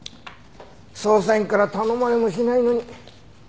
捜査員から頼まれもしないのに。